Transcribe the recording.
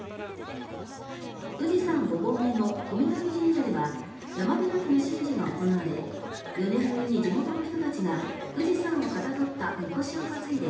富士山５合目の小御嶽神社では山開きの神事が行われ４年ぶりに地元の人たちが富士山をかたどったみこしを担いで